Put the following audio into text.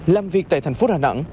làm việc tại thành phố đà nẵng